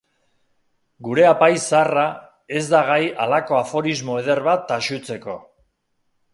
Gure apaiz zaharra ez da gai halako aforismo eder bat taxutzeko.